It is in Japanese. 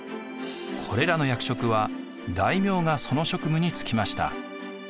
これらの役職は大名がその職務に就きました。